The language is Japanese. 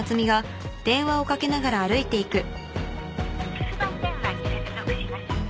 留守番電話に接続します。